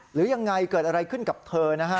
หรือยังไงเกิดอะไรขึ้นกับเธอนะฮะ